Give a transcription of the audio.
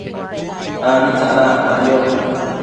abi tsadacpayoc